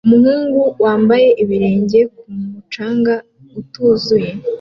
Umuhungu wambaye ibirenge ku mucanga utuzuye